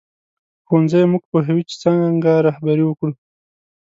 ښوونځی موږ پوهوي چې څنګه رهبري وکړو